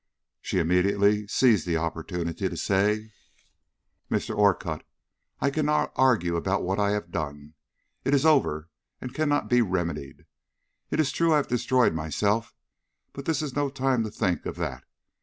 She immediately seized the opportunity to say: "Mr. Orcutt, I cannot argue about what I have done. It is over and cannot be remedied. It is true I have destroyed myself, but this is no time to think of that.